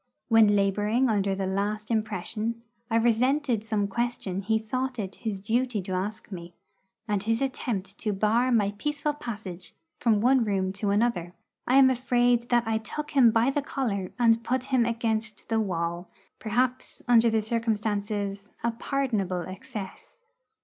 When labouring under the last impression, I resented some question he thought it his duty to ask me, and his attempt to bar my peaceful passage from one room to another. I am afraid that I took him by the collar and put him against the wall perhaps, under the circumstances, a pardonable excess.